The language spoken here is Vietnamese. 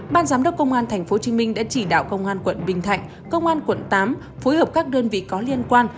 ban giám đốc công an tp hcm đã chỉ đạo công an tp binh thạnh công an tp hcm phối hợp các đơn vị có liên quan